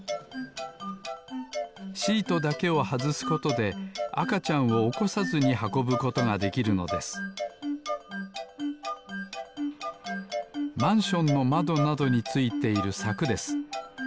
シートだけをはずすことであかちゃんをおこさずにはこぶことができるのですマンションのまどなどについているさくです。